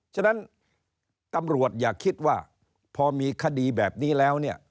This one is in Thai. ฉะนั้นตำรวจอย่าคิดว่าพอมีคดีแบบนี้แล้วเนี่ย